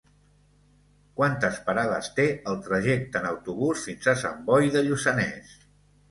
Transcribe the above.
Quantes parades té el trajecte en autobús fins a Sant Boi de Lluçanès?